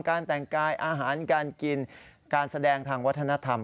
การแต่งกายอาหารการกินการแสดงทางวัฒนธรรม